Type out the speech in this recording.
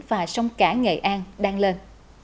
và sông cả nghệ an đang lên